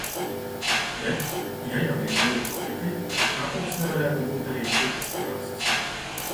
Bet, ja jau ir zili putekļi, kāpēc nevarētu būt arī citas krāsas?